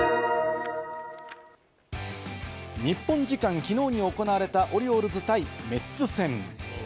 日本時間きのうに行われた、オリオールズ対メッツ戦。